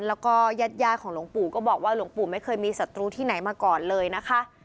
แล้วก็ญาติของหลวงปู่ก็บอกว่าหลวงปู่ไม่เคยมีศัตรูที่ไหนมาก่อนเลยนะคะ